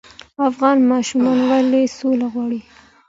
افغان ماشومان ولې سوله غواړي؟